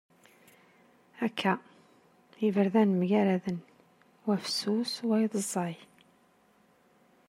Akka! Iberdan mgaraden. Wa fessus wayeḍ ẓẓay.